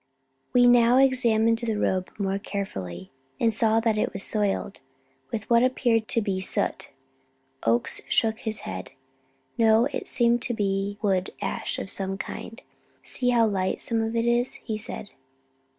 We now examined the robe more carefully, and saw that it was soiled with what appeared to me to be soot. Oakes shook his head. "No, it seems to be wood ash of some kind; see how light some of it is," he said.